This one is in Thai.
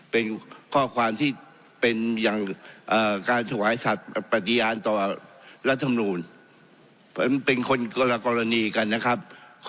เป็นข้อความที่เป็นอย่างการถวายสัตว์ปฏิญาณต่อรัฐมนูลเป็นคนละกรณีกันนะครับ